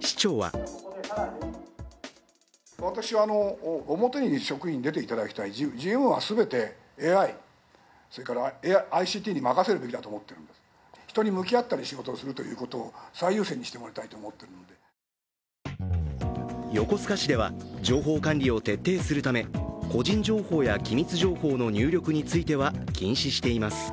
市長は横須賀市では、情報管理を徹底するため個人情報や機密情報の入力については禁止しています。